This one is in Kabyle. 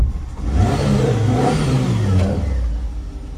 Anda tella tmidit-nnem?